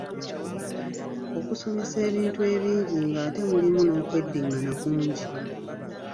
Okusomesa ebintu ebingi ng’ate mulimu n’okweddingana kungi.